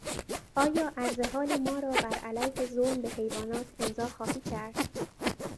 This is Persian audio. آیا عرضحال ما را بر علیه ظلم به حیوانات امضا خواهی کرد؟